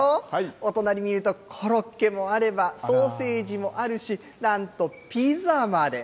お隣見ると、コロッケもあれば、ソーセージもあるし、なんとピザまで。